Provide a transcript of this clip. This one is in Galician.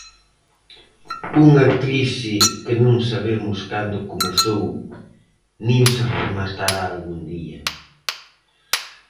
Unha crise que non sabemos cando comezou nin se rematará algún día.